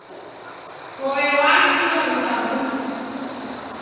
Toe washinda w'uchaguzi.